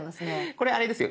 これあれですよ